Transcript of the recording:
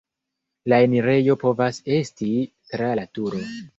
La enirejo povas esti tra la turo.